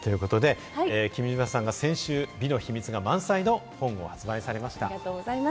君島さんが先週、美の秘密が満載の本を発売されました。